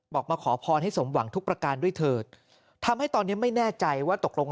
มาขอพรให้สมหวังทุกประการด้วยเถิดทำให้ตอนนี้ไม่แน่ใจว่าตกลง